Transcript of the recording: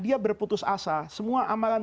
dia berputus asa semua amalan